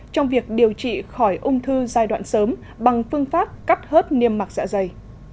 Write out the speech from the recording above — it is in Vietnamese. trong việc điều trị khỏi ung thư giai đoạn sớm bằng phương pháp cắt hớt niêm mạc dạ dày